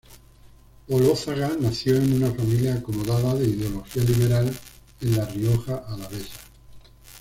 Olózaga nació en una familia acomodada de ideología liberal en la Rioja alavesa.